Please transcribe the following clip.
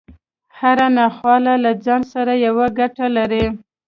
هره ناخواله له ځان سره يوه ګټه لري.